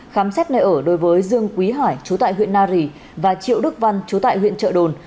khám xét nơi ở đối với dương quý hải chú tại huyện na rì và triệu đức văn chú tại huyện trợ đồn